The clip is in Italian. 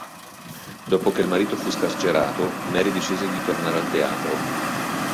Dopo che il marito fu scarcerato, Mary decise di tornare al teatro.